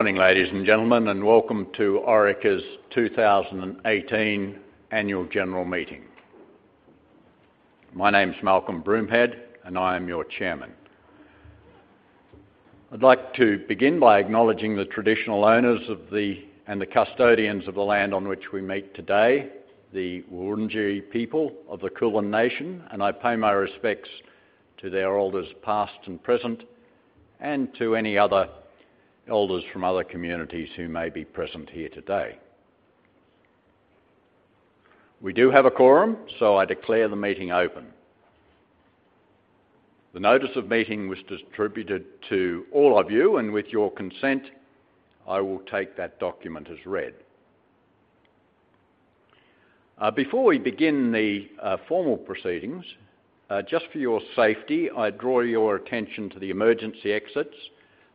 Good morning, ladies and gentlemen, and welcome to Orica's 2018 annual general meeting. My name's Malcolm Broomhead, and I am your Chairman. I'd like to begin by acknowledging the traditional owners and the custodians of the land on which we meet today, the Wurundjeri people of the Kulin nation, and I pay my respects to their elders, past and present, and to any other elders from other communities who may be present here today. We do have a quorum. I declare the meeting open. The notice of meeting was distributed to all of you. With your consent, I will take that document as read. Before we begin the formal proceedings, just for your safety, I draw your attention to the emergency exits,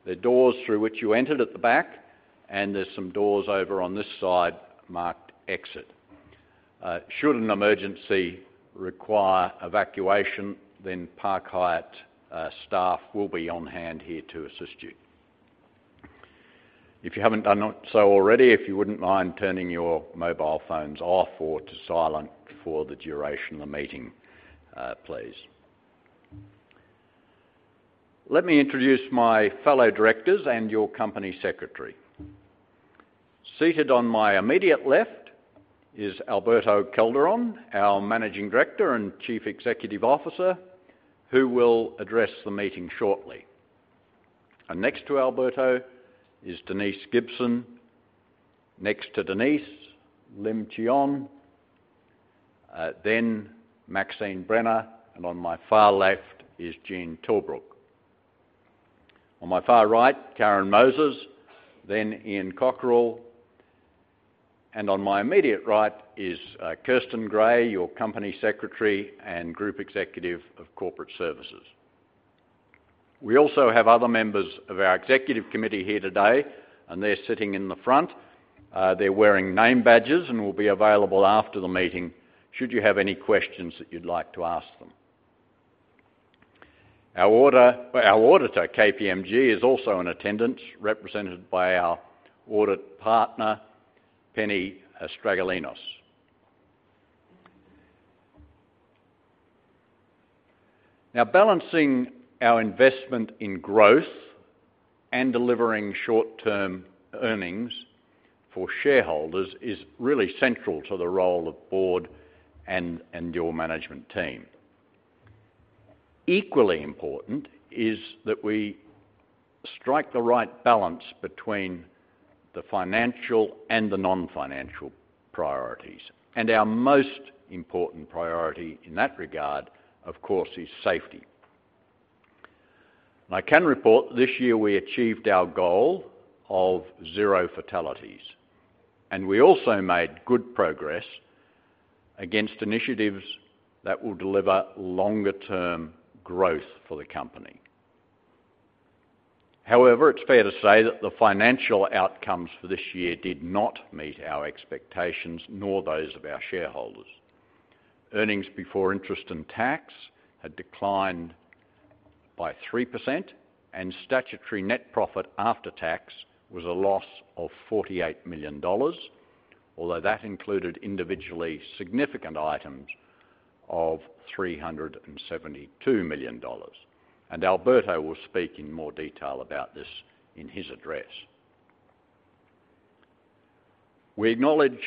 the doors through which you entered at the back. There's some doors over on this side marked exit. Should an emergency require evacuation, then Park Hyatt staff will be on hand here to assist you. If you haven't done so already, if you wouldn't mind turning your mobile phones off or to silent for the duration of the meeting, please. Let me introduce my fellow Directors and your Company Secretary. Seated on my immediate left is Alberto Calderon, our Managing Director and Chief Executive Officer, who will address the meeting shortly. Next to Alberto is Denise Gibson, next to Denise, Lim Chee Onn, then Maxine Brenner, and on my far left is Gene Tilbrook. On my far right, Karen Moses, then Ian Cockerill, and on my immediate right is Kirsten Gray, your Company Secretary and Group Executive of Corporate Services. We also have other members of our executive committee here today. They're sitting in the front. They're wearing name badges and will be available after the meeting, should you have any questions that you'd like to ask them. Our auditor, KPMG, is also in attendance, represented by our Audit Partner, Penny Stragialinos. Now, balancing our investment in growth and delivering short-term earnings for shareholders is really central to the role of board and your management team. Equally important is that we strike the right balance between the financial and the non-financial priorities. Our most important priority in that regard, of course, is safety. I can report this year we achieved our goal of zero fatalities. We also made good progress against initiatives that will deliver longer-term growth for the company. However, it's fair to say that the financial outcomes for this year did not meet our expectations, nor those of our shareholders. EBIT had declined by 3%. Statutory net profit after tax was a loss of 48 million dollars, although that included individually significant items of 372 million dollars. Alberto will speak in more detail about this in his address. We acknowledge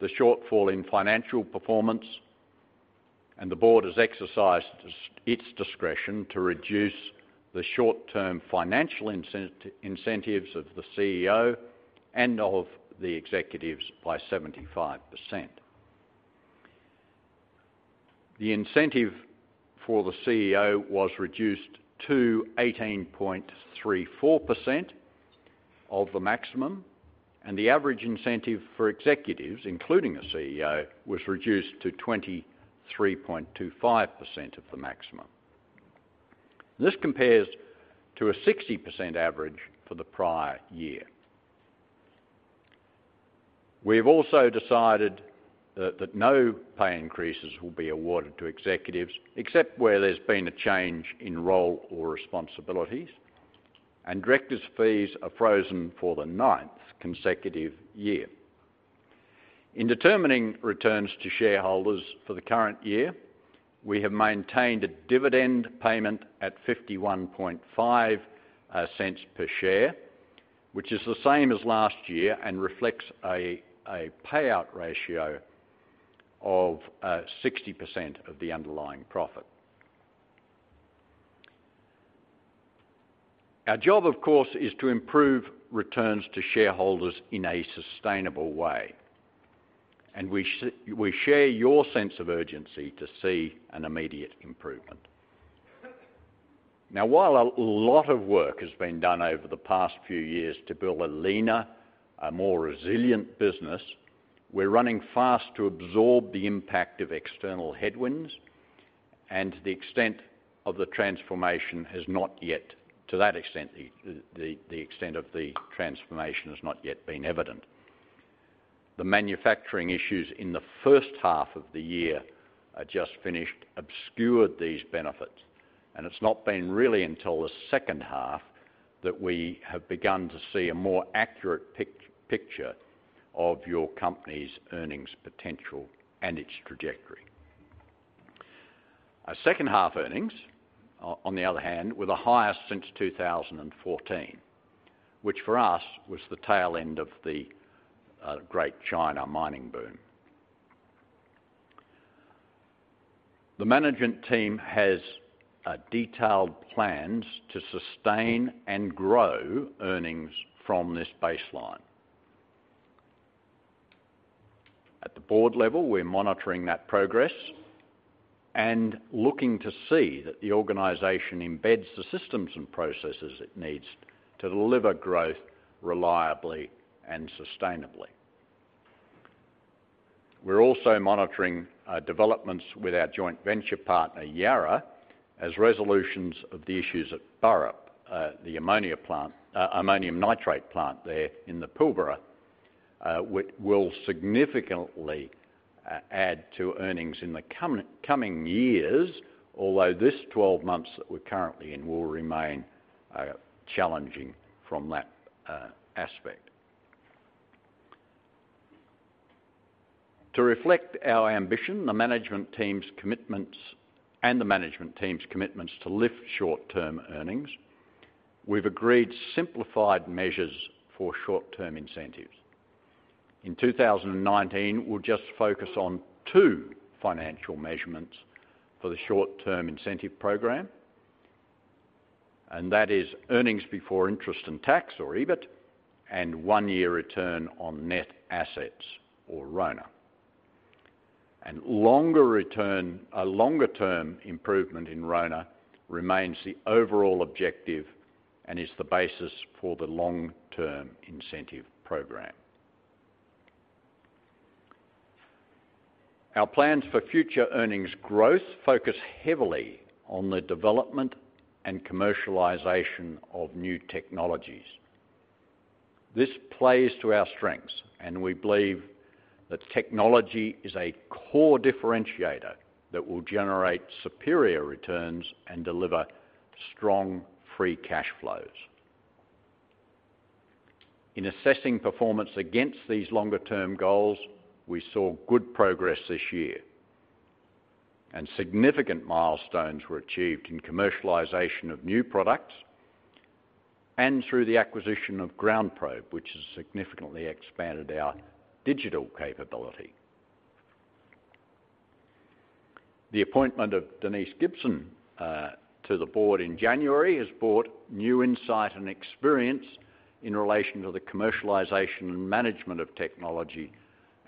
the shortfall in financial performance. The board has exercised its discretion to reduce the short-term financial incentives of the CEO and of the executives by 75%. The incentive for the CEO was reduced to 18.34% of the maximum. The average incentive for executives, including the CEO, was reduced to 23.25% of the maximum. This compares to a 60% average for the prior year. We have also decided that no pay increases will be awarded to executives except where there's been a change in role or responsibilities. Directors' fees are frozen for the ninth consecutive year. In determining returns to shareholders for the current year, we have maintained a dividend payment at 0.515 per share, which is the same as last year and reflects a payout ratio of 60% of the underlying profit. Our job, of course, is to improve returns to shareholders in a sustainable way, and we share your sense of urgency to see an immediate improvement. While a lot of work has been done over the past few years to build a leaner, a more resilient business, we're running fast to absorb the impact of external headwinds, the extent of the transformation has not yet been evident. The manufacturing issues in the first half of the year obscured these benefits. It's not been really until the second half that we have begun to see a more accurate picture of your company's earnings potential and its trajectory. Our second half earnings, on the other hand, were the highest since 2014, which for us was the tail end of the great China mining boom. The management team has detailed plans to sustain and grow earnings from this baseline. At the board level, we're monitoring that progress and looking to see that the organization embeds the systems and processes it needs to deliver growth reliably and sustainably. We're also monitoring developments with our joint venture partner, Yara, as resolutions of the issues at Burrup, the ammonium nitrate plant there in the Pilbara will significantly add to earnings in the coming years. Although this 12 months that we're currently in will remain challenging from that aspect. To reflect our ambition and the management team's commitments to lift short-term earnings, we've agreed simplified measures for short-term incentives. In 2019, we'll just focus on two financial measurements for the short-term incentive program, and that is earnings before interest and tax, or EBIT, and one-year return on net assets or RONA. A longer-term improvement in RONA remains the overall objective and is the basis for the long-term incentive program. Our plans for future earnings growth focus heavily on the development and commercialization of new technologies. This plays to our strengths, and we believe that technology is a core differentiator that will generate superior returns and deliver strong free cash flows. In assessing performance against these longer-term goals, we saw good progress this year. Significant milestones were achieved in commercialization of new products and through the acquisition of GroundProbe, which has significantly expanded our digital capability. The appointment of Denise Gibson to the board in January has brought new insight and experience in relation to the commercialization and management of technology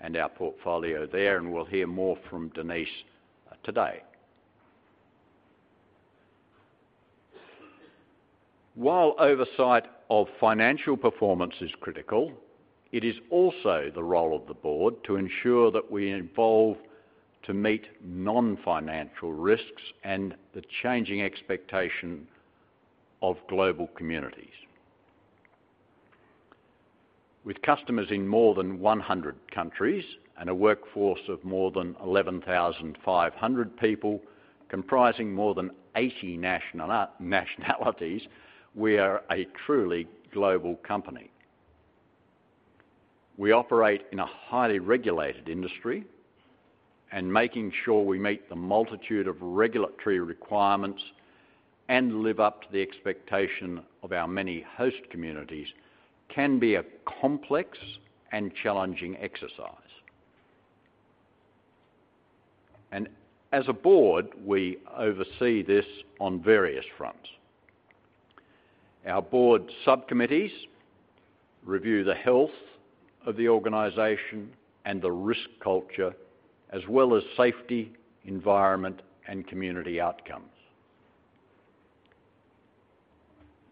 and our portfolio there, and we'll hear more from Denise today. While oversight of financial performance is critical, it is also the role of the board to ensure that we evolve to meet non-financial risks and the changing expectation of global communities. With customers in more than 100 countries and a workforce of more than 11,500 people comprising more than 80 nationalities, we are a truly global company. We operate in a highly regulated industry, and making sure we meet the multitude of regulatory requirements and live up to the expectation of our many host communities can be a complex and challenging exercise. As a board, we oversee this on various fronts. Our board subcommittees review the health of the organization and the risk culture as well as safety, environment, and community outcomes.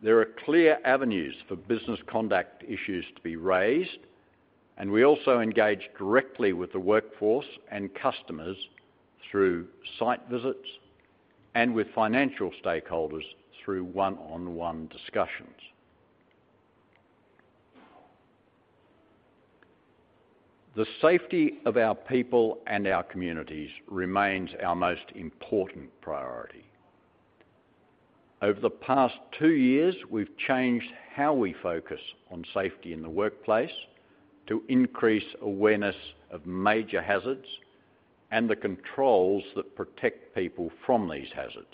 There are clear avenues for business conduct issues to be raised. We also engage directly with the workforce and customers through site visits and with financial stakeholders through one-on-one discussions. The safety of our people and our communities remains our most important priority. Over the past two years, we've changed how we focus on safety in the workplace to increase awareness of major hazards and the controls that protect people from these hazards.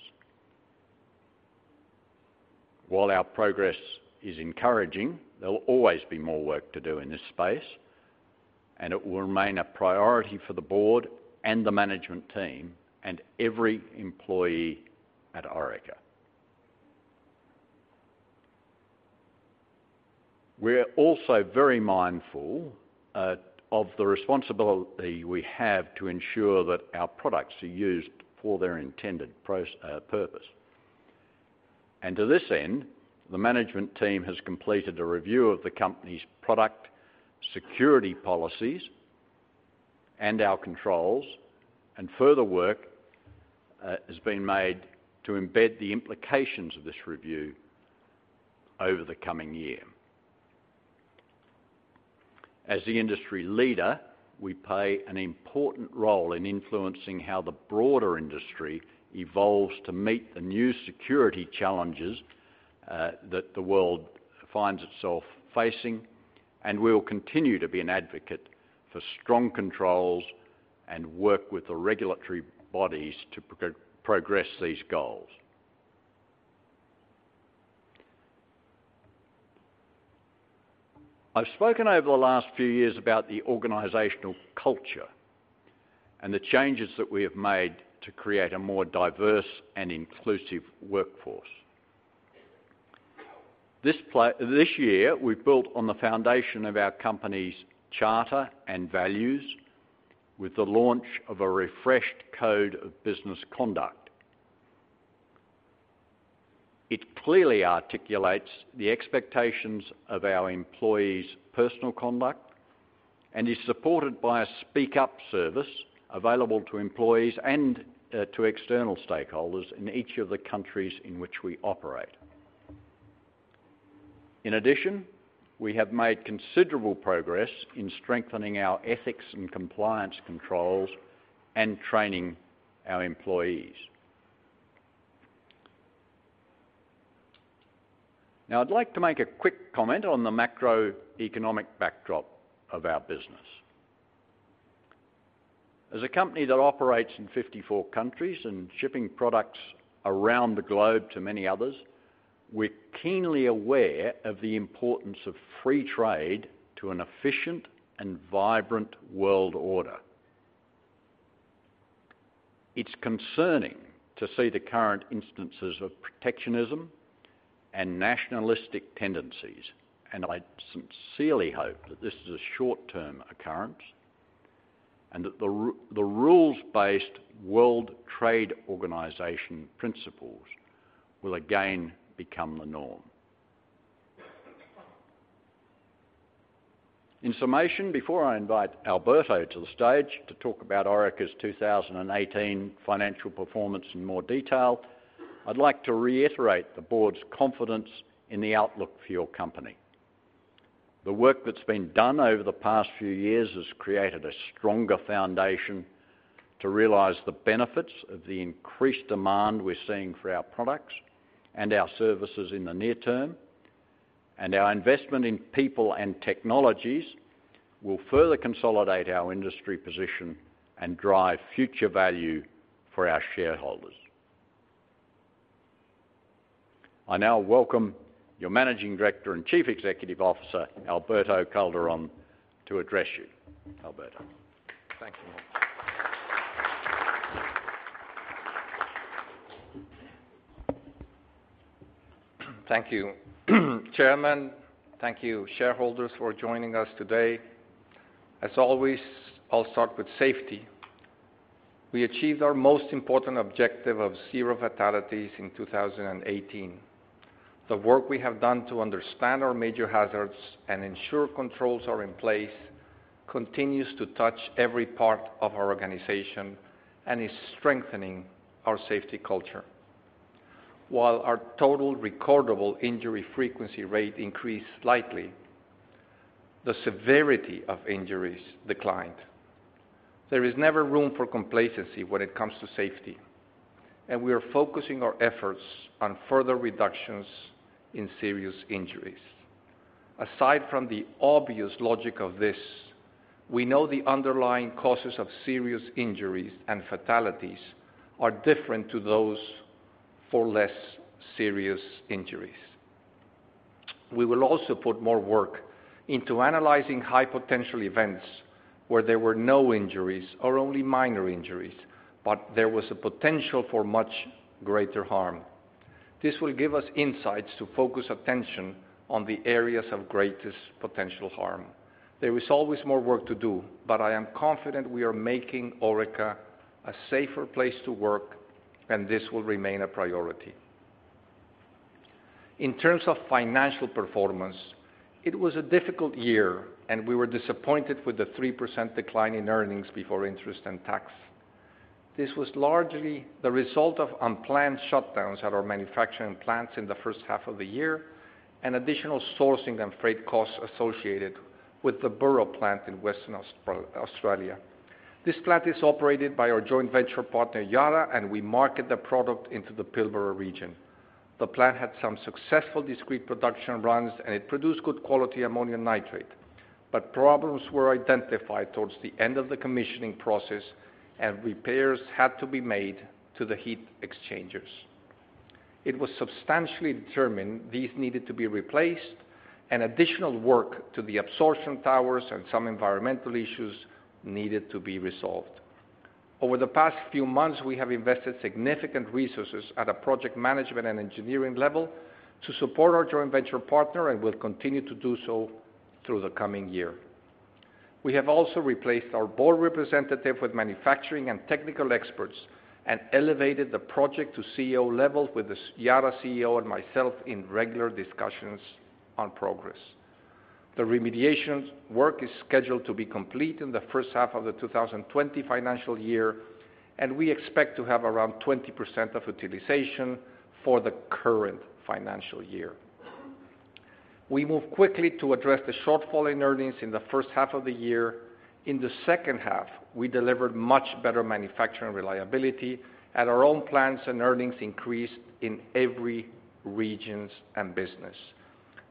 While our progress is encouraging, there will always be more work to do in this space. It will remain a priority for the board and the management team and every employee at Orica. We're also very mindful of the responsibility we have to ensure that our products are used for their intended purpose. To this end, the management team has completed a review of the company's product security policies and our controls. Further work has been made to embed the implications of this review over the coming year. As the industry leader, we play an important role in influencing how the broader industry evolves to meet the new security challenges that the world finds itself facing. We will continue to be an advocate for strong controls and work with the regulatory bodies to progress these goals. I've spoken over the last few years about the organizational culture and the changes that we have made to create a more diverse and inclusive workforce. This year, we've built on the foundation of our company's charter and values with the launch of a refreshed code of business conduct. It clearly articulates the expectations of our employees' personal conduct and is supported by a speak-up service available to employees and to external stakeholders in each of the countries in which we operate. In addition, we have made considerable progress in strengthening our ethics and compliance controls and training our employees. I'd like to make a quick comment on the macroeconomic backdrop of our business. As a company that operates in 54 countries and shipping products around the globe to many others, we're keenly aware of the importance of free trade to an efficient and vibrant world order. It's concerning to see the current instances of protectionism and nationalistic tendencies. I sincerely hope that this is a short-term occurrence and that the rules-based World Trade Organization principles will again become the norm. In summation, before I invite Alberto to the stage to talk about Orica's 2018 financial performance in more detail, I'd like to reiterate the board's confidence in the outlook for your company. The work that's been done over the past few years has created a stronger foundation to realize the benefits of the increased demand we're seeing for our products and our services in the near term. Our investment in people and technologies will further consolidate our industry position and drive future value for our shareholders. I now welcome your Managing Director and Chief Executive Officer, Alberto Calderon, to address you. Alberto. Thank you. Thank you, chairman. Thank you, shareholders, for joining us today. As always, I'll start with safety. We achieved our most important objective of zero fatalities in 2018. The work we have done to understand our major hazards and ensure controls are in place continues to touch every part of our organization and is strengthening our safety culture. While our total recordable injury frequency rate increased slightly, the severity of injuries declined. There is never room for complacency when it comes to safety, we are focusing our efforts on further reductions in serious injuries. Aside from the obvious logic of this, we know the underlying causes of serious injuries and fatalities are different to those for less serious injuries. We will also put more work into analyzing high-potential events where there were no injuries or only minor injuries, there was a potential for much greater harm. This will give us insights to focus attention on the areas of greatest potential harm. There is always more work to do, I am confident we are making Orica a safer place to work, this will remain a priority. In terms of financial performance, it was a difficult year, we were disappointed with the 3% decline in earnings before interest and tax. This was largely the result of unplanned shutdowns at our manufacturing plants in the first half of the year additional sourcing and freight costs associated with the Burrup plant in Western Australia. This plant is operated by our joint venture partner, Yara, we market the product into the Pilbara region. The plant had some successful discrete production runs, it produced good quality ammonium nitrate. Problems were identified towards the end of the commissioning process, repairs had to be made to the heat exchangers. It was substantially determined these needed to be replaced, additional work to the absorption towers some environmental issues needed to be resolved. Over the past few months, we have invested significant resources at a project management and engineering level to support our joint venture partner and will continue to do so through the coming year. We have also replaced our board representative with manufacturing and technical experts elevated the project to CEO level with the Yara CEO and myself in regular discussions on progress. The remediations work is scheduled to be complete in the first half of the 2020 financial year, we expect to have around 20% of utilization for the current financial year. We moved quickly to address the shortfall in earnings in the first half of the year. In the second half, we delivered much better manufacturing reliability at our own plants, earnings increased in every regions and business.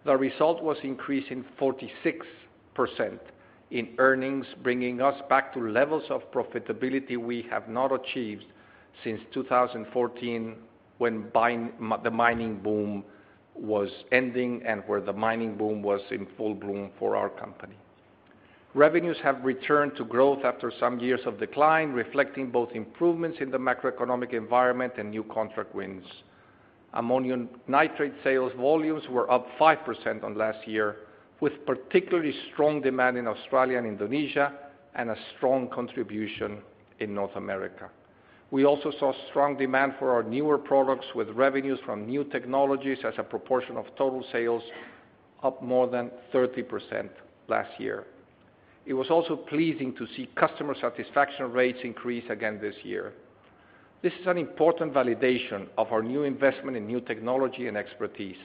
The result was increase in 46% in earnings, bringing us back to levels of profitability we have not achieved since 2014 when the mining boom was ending where the mining boom was in full bloom for our company. Revenues have returned to growth after some years of decline, reflecting both improvements in the macroeconomic environment and new contract wins. Ammonium nitrate sales volumes were up 5% on last year, with particularly strong demand in Australia and Indonesia, a strong contribution in North America. We also saw strong demand for our newer products with revenues from new technologies as a proportion of total sales up more than 30% last year. It was also pleasing to see customer satisfaction rates increase again this year. This is an important validation of our new investment in new technology and expertise.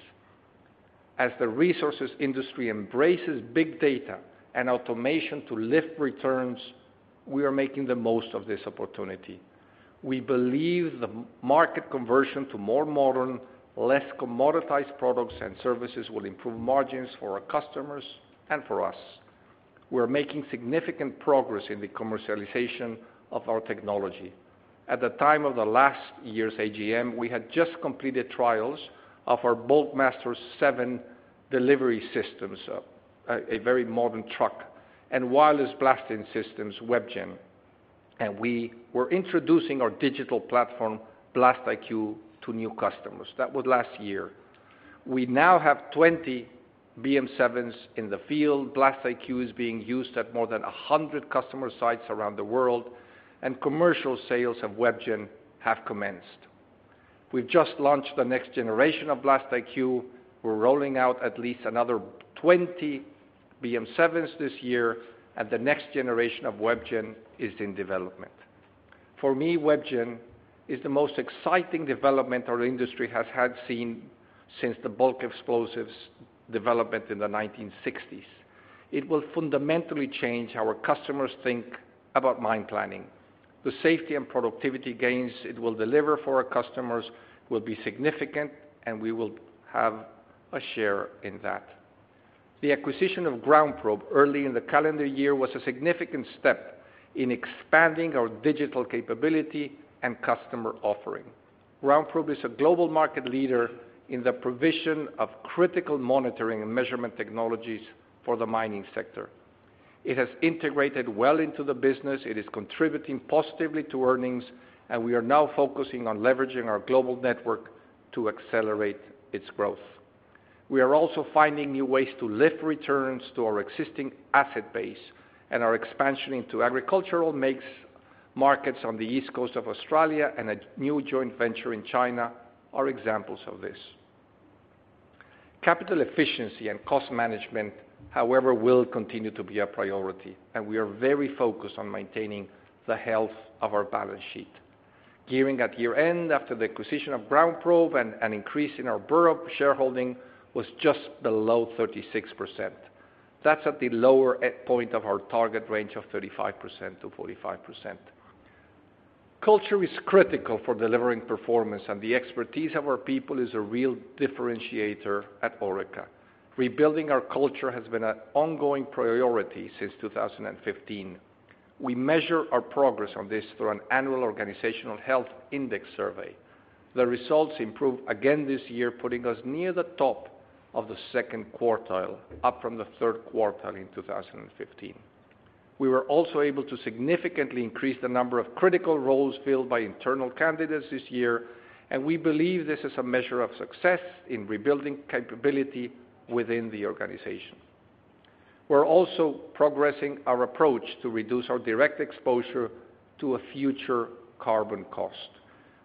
As the resources industry embraces big data and automation to lift returns, we are making the most of this opportunity. We believe the market conversion to more modern, less commoditized products and services will improve margins for our customers and for us. We are making significant progress in the commercialization of our technology. At the time of the last year's AGM, we had just completed trials of our Bulkmaster 7 delivery systems, a very modern truck, and wireless blasting systems, WebGen, and we were introducing our digital platform, BlastIQ, to new customers. That was last year. We now have 20 BM7s in the field. BlastIQ is being used at more than 100 customer sites around the world, and commercial sales of WebGen have commenced. We've just launched the next generation of BlastIQ. We're rolling out at least another 20 BM7s this year, and the next generation of WebGen is in development. For me, WebGen is the most exciting development our industry has seen since the bulk explosives development in the 1960s. It will fundamentally change how our customers think about mine planning. The safety and productivity gains it will deliver for our customers will be significant, and we will have a share in that. The acquisition of GroundProbe early in the calendar year was a significant step in expanding our digital capability and customer offering. GroundProbe is a global market leader in the provision of critical monitoring and measurement technologies for the mining sector. It has integrated well into the business. It is contributing positively to earnings. We are now focusing on leveraging our global network to accelerate its growth. We are also finding new ways to lift returns to our existing asset base. Our expansion into agricultural markets on the East Coast of Australia and a new joint venture in China are examples of this. Capital efficiency and cost management, however, will continue to be a priority, and we are very focused on maintaining the health of our balance sheet. Gearing at year-end after the acquisition of GroundProbe and an increase in our Burrup shareholding was just below 36%. That's at the lower end point of our target range of 35%-45%. Culture is critical for delivering performance, and the expertise of our people is a real differentiator at Orica. Rebuilding our culture has been an ongoing priority since 2015. We measure our progress on this through an annual organizational health index survey. The results improved again this year, putting us near the top of the second quartile, up from the third quartile in 2015. We were also able to significantly increase the number of critical roles filled by internal candidates this year. We believe this is a measure of success in rebuilding capability within the organization. We're also progressing our approach to reduce our direct exposure to a future carbon cost.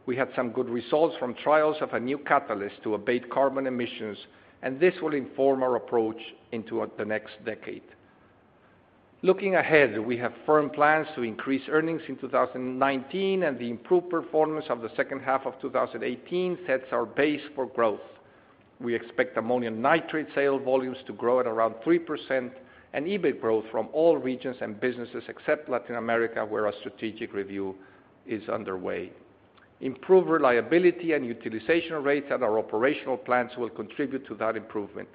We had some good results from trials of a new catalyst to abate carbon emissions. This will inform our approach into the next decade. Looking ahead, we have firm plans to increase earnings in 2019. The improved performance of the second half of 2018 sets our base for growth. We expect ammonium nitrate sale volumes to grow at around 3%, an EBIT growth from all regions and businesses except Latin America, where our strategic review is underway. Improved reliability and utilization rates at our operational plants will contribute to that improvement.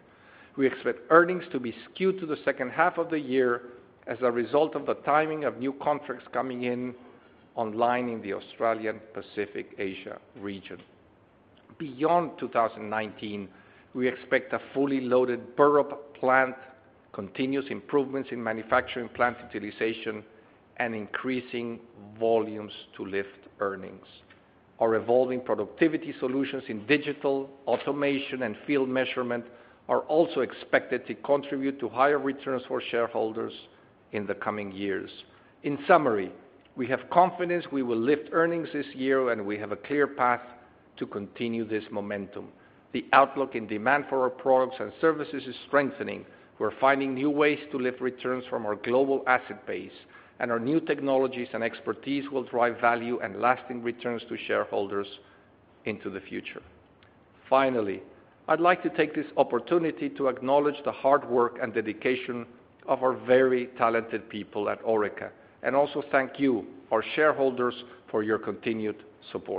We expect earnings to be skewed to the second half of the year as a result of the timing of new contracts coming in online in the Australia Pacific Asia region. Beyond 2019, we expect a fully loaded Burrup plant, continuous improvements in manufacturing plant utilization, and increasing volumes to lift earnings. Our evolving productivity solutions in digital automation and field measurement are also expected to contribute to higher returns for shareholders in the coming years. In summary, we have confidence we will lift earnings this year, and we have a clear path to continue this momentum. The outlook and demand for our products and services is strengthening. We're finding new ways to lift returns from our global asset base. Our new technologies and expertise will drive value and lasting returns to shareholders into the future. Finally, I'd like to take this opportunity to acknowledge the hard work and dedication of our very talented people at Orica, and also thank you, our shareholders, for your continued support.